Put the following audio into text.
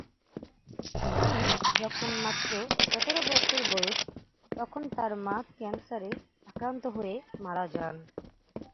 তিনি যখন মাত্র সতের বছর বয়স, তখন তাঁর মা ক্যান্সারে আক্রান্ত হয়ে মারা যান।